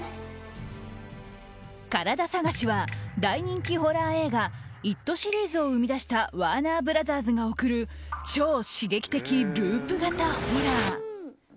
「カラダ探し」は大人気ホラー映画「ＩＴ／イット」シリーズを生み出したワーナー・ブラザーズが贈る超刺激的ループ型ホラー。